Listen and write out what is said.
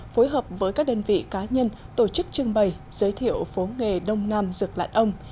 phối hợp với các đơn vị cá nhân tổ chức trưng bày giới thiệu phố nghề đông nam dược lãn ông